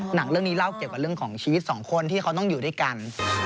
หนังเรื่องนี้เล่าเกี่ยวกับเรื่องของชีวิตสองคนที่เขาต้องอยู่ด้วยกัน